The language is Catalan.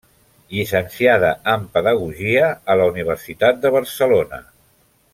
Llicenciada en pedagogia a la Universitat de Barcelona.